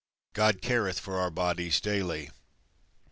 God careth for our bodies daily.